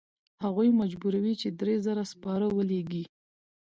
هغوی مجبوروي چې درې زره سپاره ولیږي.